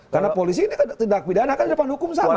karena polisi ini tidak pidanakan di depan hukum sama